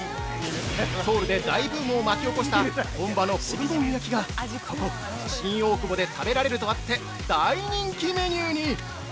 ソウルで大ブームを巻き起こした本場のホルモン焼きが、ここ新大久保で食べられるとあって大人気メニューに。